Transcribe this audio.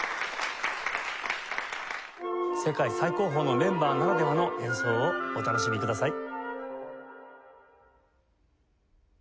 世界最高峰のメンバーならではの演奏をお楽しみください。